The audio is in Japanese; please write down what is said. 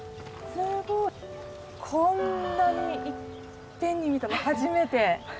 こんなにいっぺんに見たの初めて。